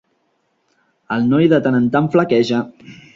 I el noi de tant en tant flaqueja.